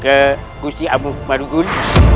di kusti amu madukun